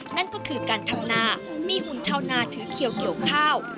นั่นก็คือการทำนามีหุ่นชาวนาถือเขียวเกี่ยวข้าว